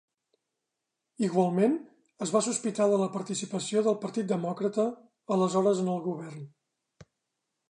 Igualment, es va sospitar de la participació del Partit Demòcrata, aleshores en el govern.